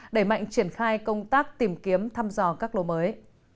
đẩy mạnh triển khai công tác tìm kiếm thăm dò các lô mới